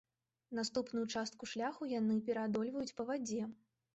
Наступную частку шляху яны пераадольваюць па вадзе.